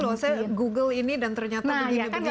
ini loh saya google ini dan ternyata begini begini diagnosanya